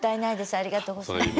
ありがとうございます。